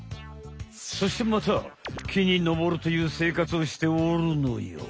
そしてまた木にのぼるという生活をしておるのよ。